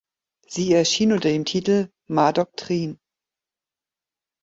Sie erschien unter dem Titel "Ma Doctrine".